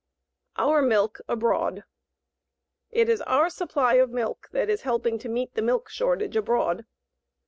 OUR MILK ABROAD It is our supply of milk that is helping to meet the milk shortage abroad.